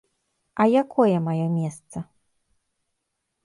А якое маё месца?